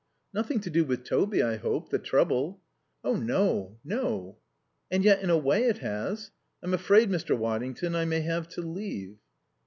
"Nothing to do with Toby, I hope, the trouble?" "Oh, no. No. And yet in a way it has. I'm afraid, Mr. Waddington, I may have to leave."